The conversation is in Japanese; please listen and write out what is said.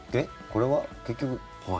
これは結局。